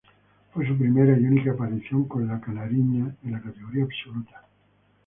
Fue su primera y única aparición con la "canarinha" en la categoría absoluta.